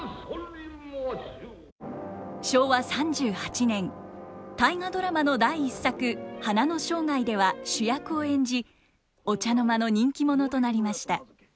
昭和３８年「大河ドラマ」の第１作「花の生涯」では主役を演じお茶の間の人気者となりました。